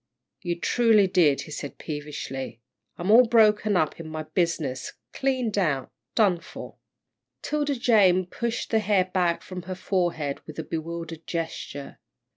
"You truly did," he said, peevishly. "I'm all broken up in my business, cleaned out, done for." 'Tilda Jane pushed the hair back from her forehead with a bewildered gesture.